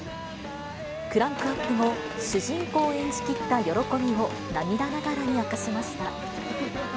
クランクアップ後、主人公を演じきった喜びを、涙ながらに明かしました。